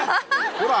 ほら！